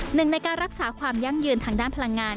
หนึ่งในการรักษาความยั่งยืนทางด้านพลังงาน